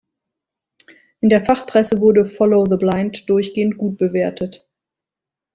In der Fachpresse wurde „Follow the Blind“ durchgehend gut bewertet.